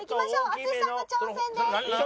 淳さんの挑戦です。